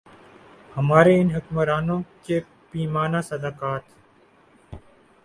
ہمارے ان حکمرانوں کے پیمانۂ صداقت۔